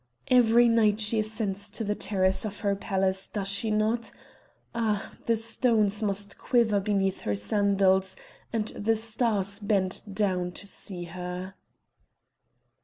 Every night she ascends to the terrace of her palace, does she not? Ah! the stones must quiver beneath her sandals, and the stars bend down to see her!"